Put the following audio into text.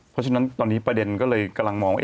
เพราะฉะนั้นตอนนี้ประเด็นก็เลยกำลังมองว่า